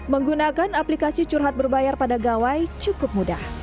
menggunakan aplikasi curhat berbayar pada gawai cukup mudah